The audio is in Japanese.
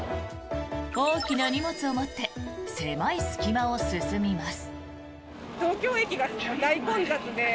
大きな荷物を持って狭い隙間を進みます。